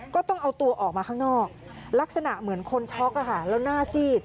ก็ต้องเอาตัวออกมาข้างนอกลักษณะเหมือนคนช็อกแล้วหน้าซีด